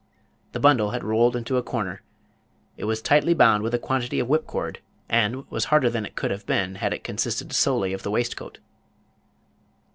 The bundle had rolled into a corner. It was tightly bound with a quantity of whipcord, and was harder than it could have been had it consisted solely of the waistcoat.